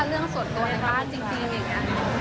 เรื่องส่วนตัวในบ้านจริงอย่างนี้